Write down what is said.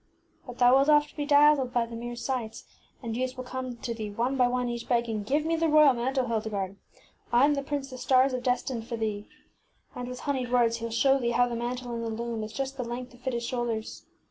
ŌĆśBut thou wilt oft be dazzled by the mirrorŌĆÖs sights, and youths will come to thee, one by one, each begging, ŌĆ£ Give me the royal mantle, Hilde garde. I am the prince the stars have destined for thee. ŌĆØ And with hon eyed words heŌĆÖll show thee how the mantle in the loom is just the length to fit his shoulders.